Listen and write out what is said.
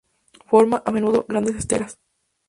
Forma, a menudo, grandes esteras.